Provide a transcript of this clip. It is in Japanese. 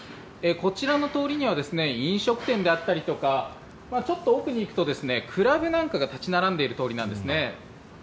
こちらの通りには飲食店であったりとかちょっと奥に行くとクラブなんかが立ち並んでいる通りなんですね。